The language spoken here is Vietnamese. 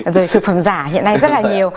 rồi thực phẩm giả hiện nay rất là nhiều